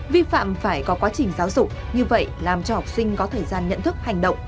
vi phạm phải có quá trình giáo dục như vậy làm cho học sinh có thời gian nhận thức hành động